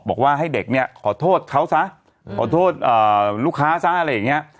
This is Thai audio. บอกว่าให้เด็กเนี่ยขอโทษเขาซะขอโทษลูกค้าซะอะไรอย่างนี้